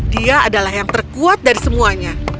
dia adalah yang terkuat dari semuanya